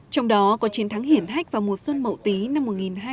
trong đó có chiến thắng hiển hách vào mùa xuân mậu tí năm một nghìn hai trăm tám mươi tám